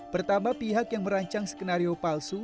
pertama pihak yang merancang skenario palsu